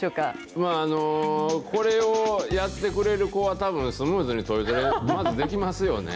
まあ、これをやってくれる子はたぶん、スムーズにトイトレ、まずできますよね。